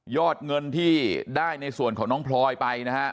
เงินที่ได้ในส่วนของน้องพลอยไปนะฮะ